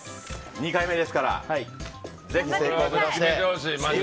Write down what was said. ２回目ですからぜひ成功目指して。